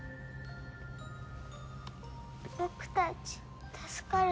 僕たち助かるの？